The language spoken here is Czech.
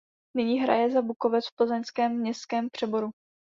Nyní hraje za Bukovec v Plzeňském městském přeboru.